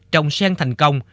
trong sen thành công